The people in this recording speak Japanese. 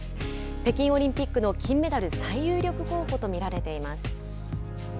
北京オリンピックの金メダル最有力候補と見られています。